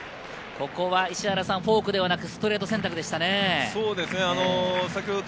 ここはフォークではなく、ストレート選択でしたね。